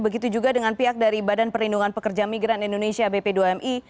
begitu juga dengan pihak dari badan perlindungan pekerja migran indonesia bp dua mi